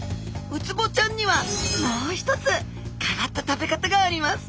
ウツボちゃんにはもう一つ変わった食べ方があります。